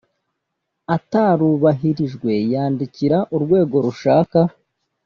atarubahirijwe yandikira urwego rushaka